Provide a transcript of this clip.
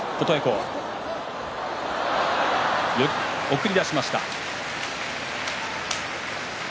送り出しました。